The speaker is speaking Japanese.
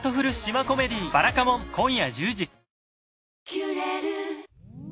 「キュレル」